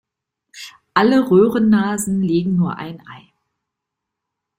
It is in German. Alle Röhrennasen legen nur ein Ei.